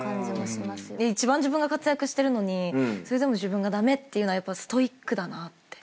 一番自分が活躍してるのにそれでも自分が駄目ってストイックだなって。